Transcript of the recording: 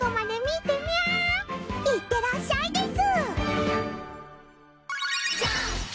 いってらっしゃいです！